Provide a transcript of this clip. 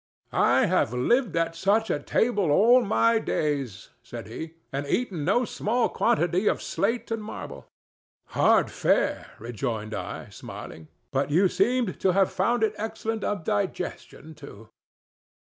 "I have lived at such a table all my days," said he, "and eaten no small quantity of slate and marble." "Hard fare," rejoined I, smiling, "but you seemed to have found it excellent of digestion, too."